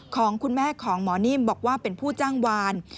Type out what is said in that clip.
ของคุณแม่ของหมอนิ่มบอกว่าเป็นผู้จ้างวาน